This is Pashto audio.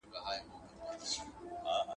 د هوښيار سړي غبرگ غاښونه وزي.